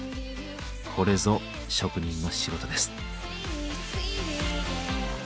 これぞ職人の仕事です。